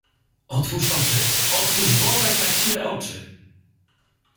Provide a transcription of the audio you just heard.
Otwórz oczy, otwórz bodaj na chwilę oczy!